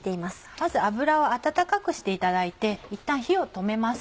まず油を温かくしていただいていったん火を止めます。